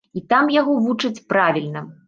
І там яго вучаць правільна!